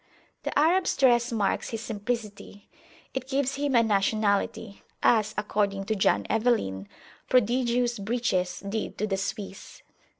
The Arabs dress marks his simplicity; it gives him a nationality, as, according to John Evelyn, prodigious breeches did to the Swiss.